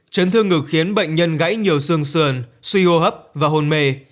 chấn thương ngực khiến bệnh nhân gãy nhiều xương sườn suy hô hấp và hôn mê